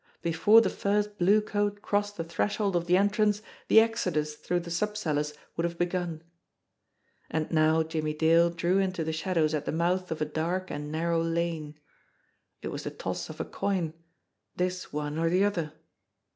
Before the first blue coat crossed the threshold of the entrance, the exodus through the sub cellars would have begun. And now Jimmie Dale drew into the shadows at the mouth of a dark and narrow lane. It was the toss of a coin. This one or the other